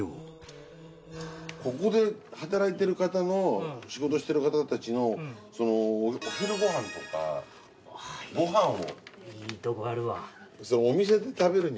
ここで働いてる方の仕事してる方たちのお昼ご飯とかご飯を。